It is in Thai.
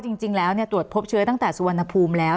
จริงจริงแล้วเนี่ยตรวจพบเชื้อตั้งแต่สวรรณภูมิแล้ว